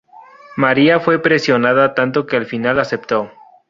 María fue presionada tanto que al final aceptó.